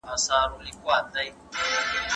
زه به سبا زدکړه وکړم؟